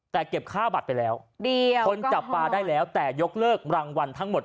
แต่เก็บค่าบัตรไปแล้วคนจับปลาได้แล้วแต่ยกเลิกรางวัลทั้งหมด